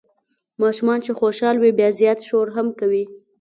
ماشومان چې خوشال وي بیا زیات شور هم کوي.